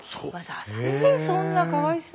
えそんなかわいそう。